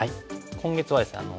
今月はですね